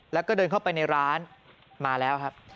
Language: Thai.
แล้วก็เดินเข้าไปในร้านมาแล้วครับ